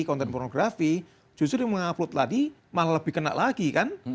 konten pornografi justru yang mengupload tadi malah lebih kena lagi kan